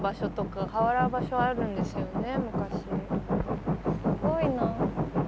すごいな。